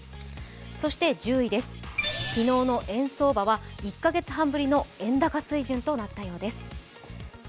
そして１０位です昨日の円相場は１か月半ぶりの円高水準となったようです。